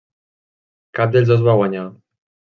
Cap dels dos va guanyar.